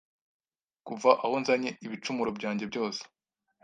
Kuva aho nzanye ibicumuro byanjye byose